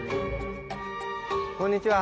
こんにちは。